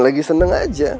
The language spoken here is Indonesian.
lagi seneng aja